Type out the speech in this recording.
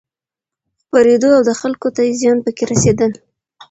خپرېدو او دخلکو ته زيان پکې رسېدل